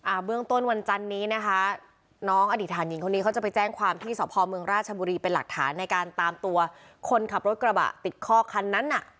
เบื้องต้นวันจันนี้นะคะน้องอดีตฐานหญิงคนนี้เขาจะไปแจ้งความที่สพเมืองราชบุรีเป็นหลักฐานในการตามตัวคนขับรถกระบะติดคอกคันนั้นน่ะ